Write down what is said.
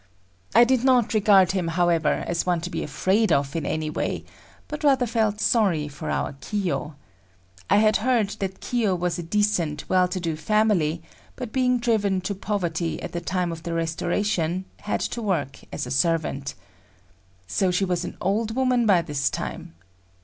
I did not regard him, however, as one to be afraid of in any way, but rather felt sorry for our Kiyo. I had heard that Kiyo was of a decent, well to do family, but being driven to poverty at the time of the Restoration, had to work as a servant. So she was an old woman by this time.